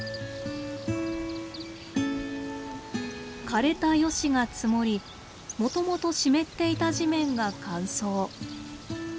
枯れたヨシが積もりもともと湿っていた地面が乾燥。